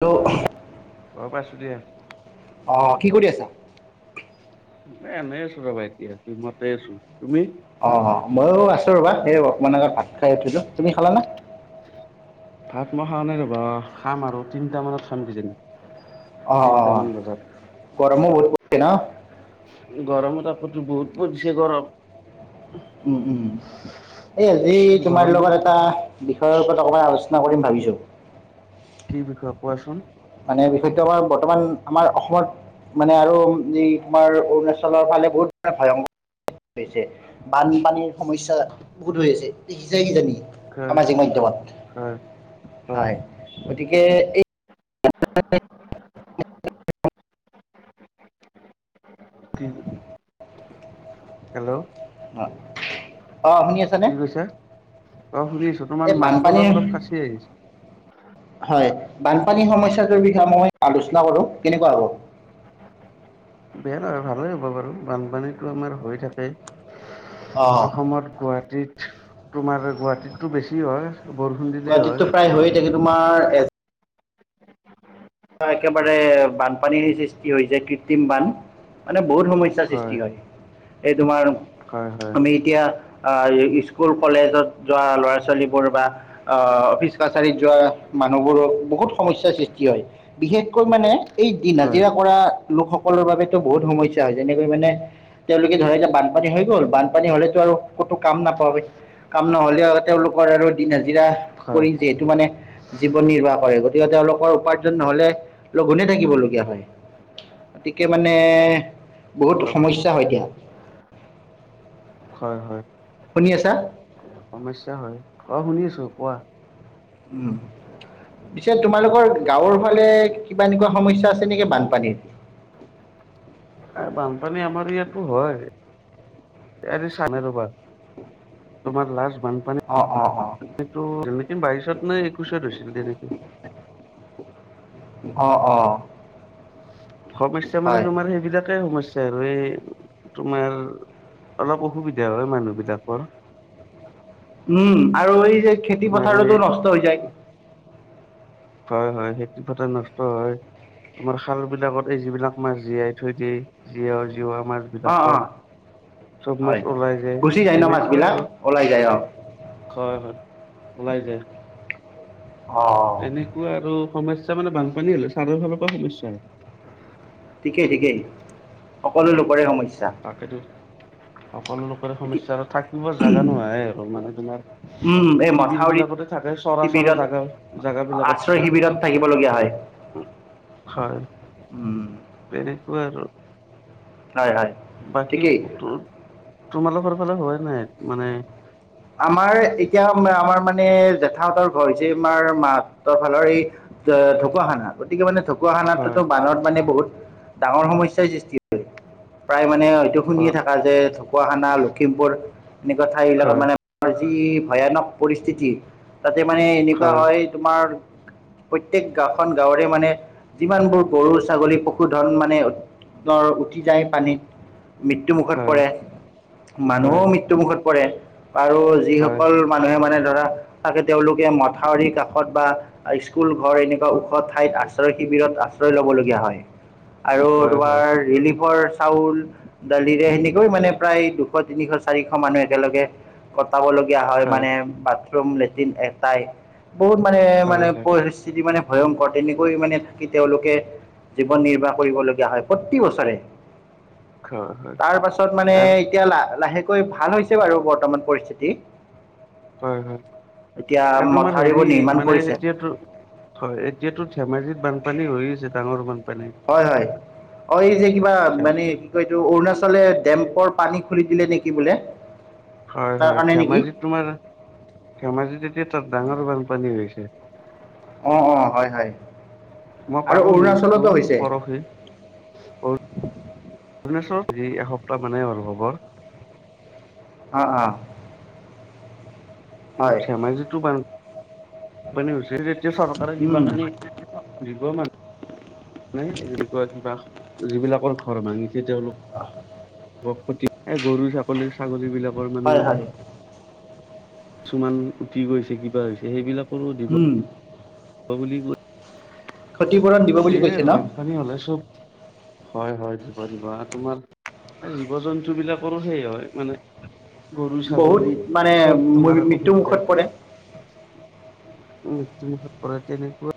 Hello. অ পাইছো দিয়া। অ', কি কৰি আছা। এ এনেই আছো ৰ'বা এতিয়া ৰুমতে আছো তুমি। অ' ময়ো আছো ৰ'বা সেই অকমান আগত ভাত খাই উঠিলোঁ, তুমি খালা না। ভাত মই খাৱা নাই ৰ'বা খাম আৰু তিনিটা মানত খাম কিজানি। তিনটামান বজাত অ' গৰমো বহুত পৰিছে ন। গৰমত আপোতো বহুত পৰিছে গৰম উম, উম। এই আজি তোমাৰ গৰম লগত এটা বিষয়ৰ ওপৰত অকমান আলোচনা কৰিম ভাবিছোঁ। কি বিষয় কোৱাছোন। মানে বিষয়টো আমাৰ বৰ্তমান আমাৰ অসমত মানে আৰু যি তোমাৰ অৰুণাচলৰ ফালে বহুত ভয়ংকৰ টেইছে বানপানীৰ সমস্যা। বহুত হৈ আছে, দেখিছাই কিজানি হয় সামাজিক মাধ্যমত। হয় হয়, গতিকে এই [inaudible] হেল্ল' অ' অ' শুনি আছানে? কি কৈছা অ' শুনিছোঁ। এই তোমাৰ মাতটো অলপ বানপানীৰ অলপ ফাচি আহিছে। হয়, বান পানী সমস্যাটোৰ বিষয়ে মই আলোচনা কৰোঁ কেনেকুৱা হ'ব। বেয়া নহয় ভালেই হ'ব বাৰু। বানপানীতো আমাৰ হৈ থাকে অঁ অসমত গুৱা তোমাৰ গুৱাহাটীততো বেছি হয়। বৰষুণ দিলেই হয় গুৱাহাটীততো প্ৰায় হৈয়ে থাকে তোমাৰ এই বাৰ একেবাৰে বানপানীৰ সৃষ্টি হৈছে কৃত্ৰিম বান মানে বহুত সমস্যাৰ সৃষ্টি হয়, এই তোমাৰ হয় হয় আমি এতিয়া স্কুল কলেজত যোৱা ল'ৰা ছোৱালীবোৰ বা অফিচ কাছাৰীত যোৱা মানুহবোৰক বহুত সমস্যাৰ সৃষ্টি হয়। বিশেষকৈ মানে এই দিন হয় হাজিৰা কৰা লোকসকলৰ বাবেতো বহুত সমস্যা হয় যেনেকৈ মানে তেওঁলোকে ধৰা বানপানী হৈ গ'ল, বানপানী হলেতো আৰু কতো কাম নাপাব। কাম নহলেও তেওঁলোকৰ আৰু দিন হাজিৰা কৰি হয় যিহেতু মানে জীৱন নিৰ্বাহ কৰে গতিকে তেওঁলোকৰ উপাৰ্জন নহলে লগ গোনে থাকিবলগীয়া হয় গতিকে মানে বহুতো সমস্যা হয় [inaudible] শুনি আছা সমস্যা হয় অ শুনি আছো কোৱা উম পিছে তোমালোকৰ গাঁৱৰ ফালে কিবা এনেকুৱা সমস্যা আছে নেকি বানপানীৰ [inaudible] বানপানী আমাৰ ইয়াত হয় চানে ৰবা তোমাৰ লাষ্ট বানপানীটো অ অ অ', বাইশত নে একৈশত হৈছিল তেনেকে অঁ অঁ সমস্যা মানে তোমাৰ সেইবিলাকে সমস্যা আৰু এই তোমাৰ অলপ অসুবিধা হয় মানুহবিলাকৰ উম আৰু এই যে খেতি এই পথাৰতো নষ্ট হৈ যায় হয় হয় খেতি পথাৰ নষ্ট হয় আমাৰ খাল বিলাকত এই যিবিলাক মাছ জীয়াই থৈ দিয় জীয় আমাৰ অ', অ', বিলাকৰ চব মাছ হয়। ওলাই যায় গুচি ন তেনেকুৱাই মাছবিলাক আৰু ওলাই যায় অ'। হয় হয় উলাই যায় অ', তেনেকুৱা আৰু সমস্যা মানে বানপানী হ'লে ছাৰৰ ফালৰ পৰা সমস্া হয় ঠিকেই ঠিকেই সকলো লোকৰে সমস্যা তাকেইো সকলো লোকৰে এতিয়া সমস্যা আৰু থাকিব জাগা নোহয়ে আৰু মানে তোমাৰ উম, এই শিবিৰ মথাউৰিত বিলাকতে থাকে চৰা চৰা শিবিৰত জাগা জোগ বিলাকত আশ্ৰয় শিবিৰত থাকিবলগীয়া হয়। থাকে হয় উম, তেনেকুৱা হয়, হয়। বাকী ঠিকেই তোৰ তোমালোকৰ ফালে হয় নাই মানে জেঠাহতঁৰ ঘৰ হৈছিল আমাৰ মাহতঁৰ ফালৰ এই ঢকুৱখানা গতিকে মানে ঢকুৱাখানাততো হয় বানত মানে বহুত ডাঙৰ সমস্যাই সৃষ্টি কৰে প্ৰায় মানে এইটো অ শুনিয়ে থাকা যে ঢকুৱাখানা, লক্ষীমপুৰ এনেকুৱা ঠাই বিলাকত হয় মানে আজি যি ভয়ানক পৰিস্থিতি তাতে মানে এনেকুৱা হয় তোমাৰ প্ৰত্যেক গাঁওখন গাঁৱৰে মানে যিমানবোৰ গৰু ছাগলী পশুধন মানে দৰ উটি যায়। পানীত মৃত্যু মুুখত হয় পৰে, হয় মানুহও মৃত্যু মুখত পৰে। আৰু হয় যিসকল মানুহে মানে ধৰা তাকে তেওঁলোকে মথাউৰি কাষত বা স্কুল ঘৰ এনেকুৱা ওখ ঠাইত আশ্ৰয় শিবি শিবিৰত আশ্ৰয় ল'বলগীয়া হয় আৰু হয় হয় তোমাৰ ৰিলিফ ৰিলিফৰ চাউল, দালিৰে সেনেকৈ মানে প্ৰায় দুশ, তিনিশ, চাৰিশ মানুহ একেলগে পাবলগীয়া হয় মানে বাথৰুম লেট্ৰিন এটাই বহুত মানে মানে হয় পৰিস্থিতি মানে ভয়ংকৰ তেনেকৈ মানে থাকি তেওঁলোকে জীৱন নিৰ্বাহ কৰিবলগীয়া হয় প্ৰতি বছৰে হয় হয় হয় তাৰপাছত মানে আৰু এতিয়া লাহ লাহেকৈ ভাল হৈছে বাৰু বৰ্তমান। পৰিস্থিতি হয়, হয়। এতিয়া আৰু তোমাৰ হেৰি মথাউৰিবোৰ নিৰ্মাণ মানে কৰিছে এতিয়াতো হয় এতিয়াতো ধেমাজিত বানপানী হৈ আছে, ডাঙৰ মানুহ হয়, হয়্ অ' এই যে কিবা ধেম- মানে কি কয় এটো অৰুণাচল ফালে ডেম্পৰ পানী খুলি দিলে নেকি বোলে। হয়, তাৰ হয়। কাৰণে নেকি ধেমাজিত তোমাৰ ধেমাজিত এতিয়া তাত ডাঙৰ বানপানী হৈছে। অ' অ' হয়, হয়। মই আৰু পালো নিউজটো অৰুণাচলতো হৈছে পৰহি ভ্বৰ আজি এসপ্তাহ মানে হ'ল খবৰ। অ' অ'। কিন্তু হয় ধেমাজিতটো বান বানপানী হৈছে যেতিয়া, চৰকাৰে উম কিবা কানি দিব মানুহ মানে যি বুলি কয় কিবা যিবিলাকৰ ঘৰৰ ভাঙিছে তেওঁলোকক অহ' গৰু, ছাগলী, ছাগলী বিলাক। হয়, হয়। কিছুমান উটি গৈছে কিবা হৈছে সেইবিলাক উম। হ'ব বুলি কয়, ক্ষতিপূৰণ দিব বুলি সেইয়াই কৈছে আৰু ন বানপানী হ'লে চ'ব হয়, হয়। দিব দিবা তোমাৰ জীৱ জন্তু বিলাকৰো সেই হয় মানে গৰু বহুত ছাগলী মানে চব তোমাৰ মৃত্যু অসুবিধা মুুখত পৰে। মৃত্যু মুখত পৰে তেনেকুৱা।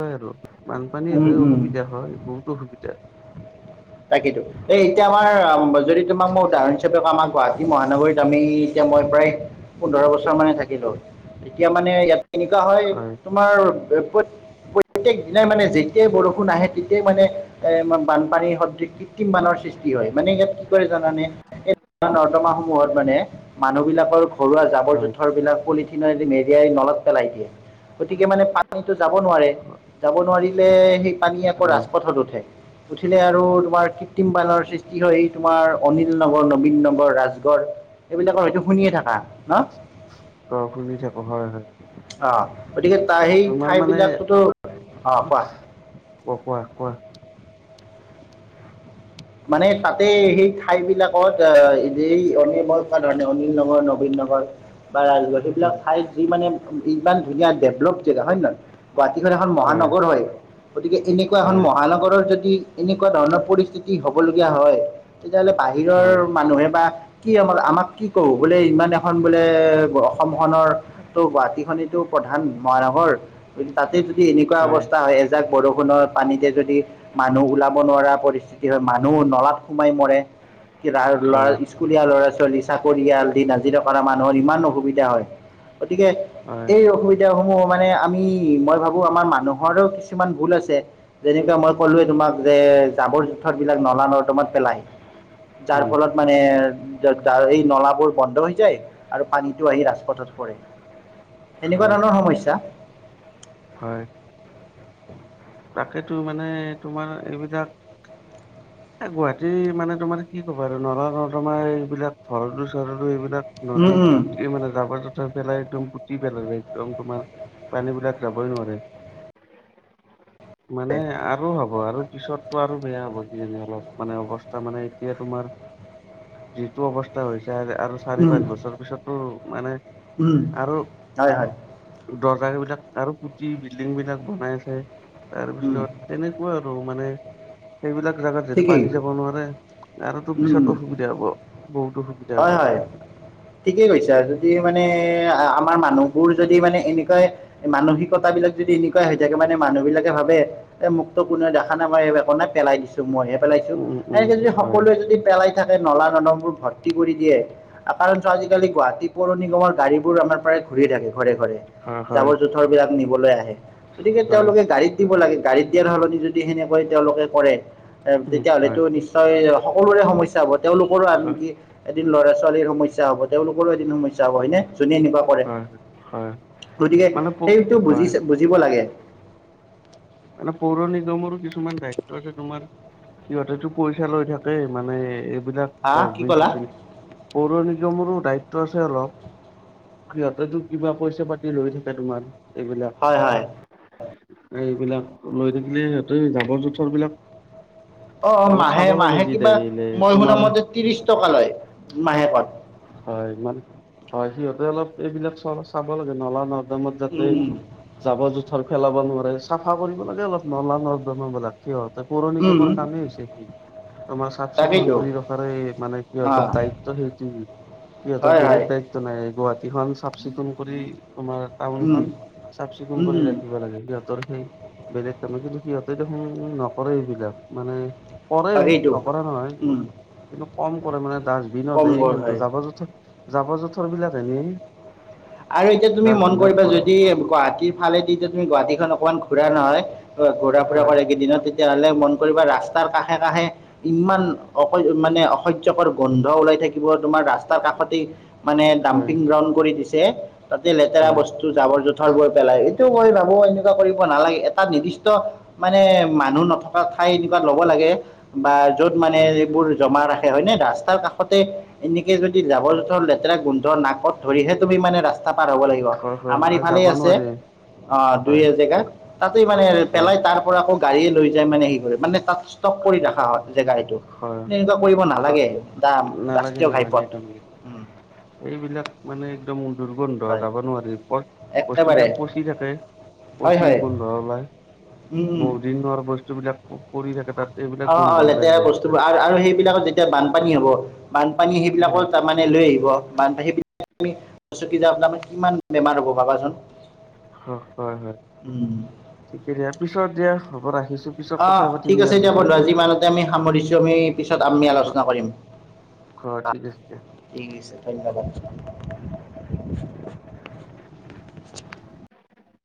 হয় আৰু বানপানী উম হ'লে উম অসুবিধা হয়। বহুত অসুবিধা। তাকেই তো এই এতিয়া আমাৰ যদি তোমাক মই উদাহৰণ হিচাপে কওঁ আমাৰ গুৱাহাটী মহানগৰীত আমি এতিয়া মই প্ৰায় পোন্ধৰ বছৰ মানে থাকিলোঁ। এতিয়া মানে ইয়াত এনেকুৱা হয়, তোমাৰ প্ৰতে প্ৰত্যেক দিনাই মানে যেতিয়াই বৰষুণ আহে, তেতিয়াই মানে এ বানপানী হ কৃত্ৰিম বানৰ সৃষ্টি হয়, মানে ইয়াত কি কৰে জানানে? নলা নৰ্দমা সমূহত মানে মানুহবিলাকৰ ঘৰুৱা জাবৰ হয় জোঁথৰ বিলাক পলিথিনৰ দি মেৰিয়াই নলত পেলাই দিয়ে গতিকে মানে পানীটো যাব নোৱাৰে যাব নোৱাৰিলে পানী আকৌ হয় ৰাজপথত উঠে উঠিলে আৰু তোমাৰ কৃত্ৰিম পানৰ সৃষ্টি হয়। তোমাৰ অনিল নগৰ, নবীন নগৰ, ৰাজগড়, এইবিলাকৰ হয়তো শুনিয়ে থাককা ন। ক শুনি থাকো হয় হয় অ' গতিকে ত সেই তোমাৰ ঠাই মানে বিলাকতো অ' কোৱা? কোৱা-কোৱা-কোৱা। মানে তাতে সেই ঠাই বিলাকত অ' অনময় ধৰণে অনিল নগৰ নবীন নগৰ। বা ৰাজগড় সেইবিলাক উম ঠাইত যি মানে ইমান ধুনীয়া ডেভলপ জেগা হয় নে নহয়। গুৱাহাটীখন এখন মহানগৰ হয় গতিকে এনেকুৱা এখন হয় মহানগৰৰ যদি এনেকুৱা ধৰণৰ পৰিস্থিতি। তি হ'বলগীয়া হয় তেতিয়াহ'লে বাহিৰৰ হয় মানুহে বা কি আমাক আমাক কি কব বোলে ইমান এখন বোলে অসমখনৰো গোটীখনেতটো প্ৰধান মহানগৰ মানে তাত। তাতে যদি এনেকুৱা অৱস্থা হয় এজাক বৰষুণৰ পানীতে যদি মানুহ ওলাব নোৱাৰা পৰিস্থিতি, মানুহ নলাত সোমাই মৰে। লৰা হয় স্কুলীয়া ল'ৰা ছোৱালী চাকৰিয়াল দিনহাজিৰা কৰা মানুহৰ ইমান অসুবিধা হয়। গতিকে হয় এই অসুবিধা সমূহ মানে, আমি মই ভাবো আমাৰ মানুহৰো কিছুমান ভুল আছে যেনেকুৱা মই ক'লোৱে তোমাক যে জাবৰ জোথৰ বিলাক নলা নৰ্দমত পেলাহি। যাৰ উম ফলত মানে য এই নলাবোৰ বন্ধ হৈ যায় আৰু পানীতটো আহি ৰাজপথত এনেকুৱা হয় ধৰণৰ হয় সমস্যা। [inaudible] হয় তাকেতো মানে তোমাৰ এইবিলাক, এ গুৱাহাটী মানে তোমাৰ কি ক'বা আৰু নলা নৰ্দমা তোমাৰ এইবিলাক ভৰলো চৰলো এইবিলাক উম নদীৰ উম পুতিয় মানে জাবাৰ-যুথৰ। পেলাই একদম গুটি পেলাল একদম তোমাৰ পানীবলাক যাবই নোৱাৰে। মানে আৰু হ'ব আৰু পিছতটো আৰু বেয়া হ'ব। অলপ মানে অৱস্থা মানে এতিয়া তোমাৰ যিটো অৱস্থা হৈছে। আৰু চাৰি উম পাঁচ বছৰ পিছতো মানে উম, আৰু হয় হয়, দৰ্জা বিলাক। আৰু কুটি বিল্ডিং বিলাক বনাই আছে উম, তাৰপিছত তেনেকুৱা আৰু মানে। সেইবিলাক জেগাত যিহেতু ঠিকেই, পানী যাব নোৱাৰে আৰুতো পিছত অসুবিধা হ'ব বহুত অসুধা। হয়-হয় ঠিকেই কৈছা যদি। মানে আমাৰ মানুহবোৰ যদি মানে এনেকুৱা মানসিকতা বিলাক যদি এনেকুৱাই হৈ থাকে মানে। মানুহ বিলাকে ভাবে মুক্ত কোনে দেখা নাপাই। পেলাই দিছো মইহে পেলাইছো উম উম এনেকে যদি হয় সকলোৱে যদি পেলাই থাকে নলা নদমবোৰ ভৰ। কৰি দিয়ে কাৰণ আজিকালি গুৱাহাটী পৌৰ নিগমৰ গাড়ী বোৰ আমাৰ প্ৰায় ঘূৰি থাকে ঘৰে-ঘৰে। হয় হয় জাবৰ জোথৰ বিলাক নি। বলে গতিকে হয় তেওঁলোকে গাড়ীত দিব লাগে, গাড়ীত দিয়াৰ সলনি যদি সেনেকৈ তেওঁলোকে কৰে। উম হয়। তেতিয়াহলেতো নিশ্চয় সকলোৰে সমস্যা হ'ব তেওঁলোকৰো হয় আনকি এদিন ল'ৰা ছোৱালীৰ সমস্যা হব তেওঁলোকৰো এদিন সমস্যা হ'ব হয়নে যোনে এনেকুৱা কৰে। হয় হয় গতিকে মানে প সেইটো হয় বুজিছে বুজিব লাগে। মানে মোৰো কিছুমান দায়িত্ব আছে। সিহঁতেতটো পইচা লৈ থাকে মানে। বিলাক হা কি ডাষ্টবিন ক'লা চাবিন পৌৰ নিগমৰো দায়িত্ব টো আছে অলপ সিহঁতেতো কিবা পইচা পাতি লৈ থাকে তোমাৰ। এইবিলাক হয়-হয়। এইবিলাক লৈ থাকিলে সিহঁতে জাবৰ-জোথৰ বিলাক অ' অলপ চাব লাগে মাহে-মাহে যি কিবা দিলে মই শুনা তোমাৰ মতে ত্ৰিশ টকা লয় মাহেকত। হয়, মানে হয় সিহঁতে অলপ এইবিলাক চ চাব লাগে নলা ন ত যাতে উম, জাবৰ জোথৰ পেলাব নোৱাৰে চাফা কৰিব লাগে অলপ নলা নিলাক কি হয়। পৌৰ উম, নিগমৰ উম, কামেই হৈছে সি তোমাৰ চাফ চিকুণ তাকেইতো কৰি ৰখাৰে মানে অঁ সিহঁতৰ দায়িত্ব সেইটো সিহঁতৰ হয় বেলেগ হয় দায়িত্ব নাই গুৱাহাটীখন চাফ চিকুণ কৰি। তোমাৰ টাউন উম, খন চাফ চিকুণ উম, কৰি উম, ৰাখিব লাগে সিহঁতৰ সেই বেলেগ কামে কিন্তু সিহঁতে দেখোন নকৰে এইবিলাক মানে কৰে তাকেইতো নকৰে নহয় উম। কিন্তু কম কৰে মানে ডাষ্টবিনত কম গ'ল হয় জাবৰ জোঁথৰ - জাবৰ জোঁথৰ বিলাক এনে আৰু এতিয়া তুমি মন কৰিবা যদি গুৱাহাটীৰ ফালেদি এতিয়া তুমি গুৱাহাটী খন অকমান ঘুৰা নহয় ঘূৰা ফুৰা হয় কৰেকেইদিনত তেতিয়াহলে মন কৰিব ৰাস্তাৰ কাষ কাষে কাষে ইমান অস মানে অসহ্যকৰ গোন্ধ ওলাই থাকিব তোমাৰ ৰাস্তাৰ কাষতেই মানে হয় ডাম্পিং গ্ৰাউড কৰি দিছে তাতে লেতেৰা হয় বস্তু জাৱৰ জোথৰ বৈ পেলাই। ক ভাবো এনেকুৱা কৰিব নালাগে এটা নিৰ্দিষ্ট মানে মানুহ নথকা ঠাই এনেকুৱা লব লাগে। বা য'ত মানে হয় হয় এইবোৰ জমা ৰাখে হয় ন ৰাস্তাৰ কাষতে এনেকে যদি জাবৰ জোথৰ লেতেৰা গোন্ধৰ নাকত ধৰিহে তুমি মানে ৰাস্তা পাৰ হব লাগিব হয় আমাৰ আৰু ইফালে যাব আছে। নোৱাৰি অ দুই হয় এজেগা তাতেই মানে হয় পেলাই তাৰ পৰা আকৌ গাড়ীয়ে লৈ যায় মানে হে কৰে মানে তাত ষ্টপ কৰি ৰখা হয় জেগা এইটো। হয় এনেকুৱা কৰিব নালাগে দাম নালাগে ৰাষ্ট্ৰীয় নালাগে ঘাইপথ তাৰমানে উম এইবিলাক মানে একদম দুৰ্গন্ধ হয় যাব নোৱাৰি প একেবাৰে বস্তুবিলাক পচি থাকে। হয় পচি হয় গোন্ধ ওলাই উম উম বহুত দিনৰ বস্তুবিলাক অ অ লেতেৰা বস্তুবোৰ আৰু সেইবিলাকত যেতিয়া বানপানী হ'ব বানপানী সেইবিলাকো হয় তাৰ মানে লৈ আহিব বানপানী সেইবিলাক চা ত কিমান বেমাৰ হ'ব ভাবাচোন। অ হয় হয় উম, ঠিকে দিয়া পিছত দিয়া হব আহিছো অ ঠিক আছে এতিয়া বন্ধো আজি মানতে আমি সামৰিছো আমি পিছত আমি আলোচনা কৰিম। হয় আছে দিয়া। ঠিক আছে ধন্যবাদ। [inaudible]